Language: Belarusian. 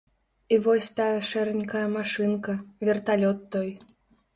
І вось тая шэранькая машынка, верталёт той.